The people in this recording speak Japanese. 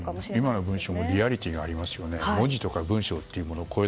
今のもリアリティーがありますよね。